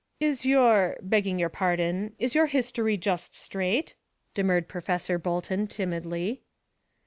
"Is your begging your pardon is your history just straight?" demurred Professor Bolton timidly.